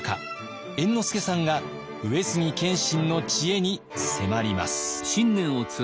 猿之助さんが上杉謙信の知恵に迫ります。